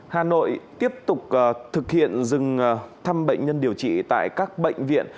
hà nội tiếp tục thực hiện dừng thăm bệnh nhân điều trị tại các bệnh viện